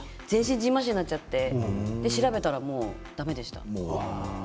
じんましんになっちゃって調べたらだめでした。